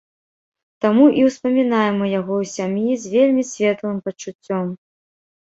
Таму і ўспамінаем мы яго ў сям'і з вельмі светлым пачуццём.